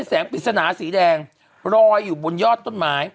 ปริศนาสีแดงรอยอยู่บนยอดต้นไม้